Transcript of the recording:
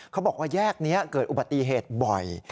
เขาบอกว่าแยกนี้เกิดอุบัติเหตุบ่อย